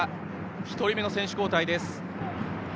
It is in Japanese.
１人目の選手交代です。